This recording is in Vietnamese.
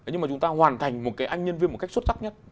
nhưng mà chúng ta hoàn thành một cái anh nhân viên một cách xuất sắc nhất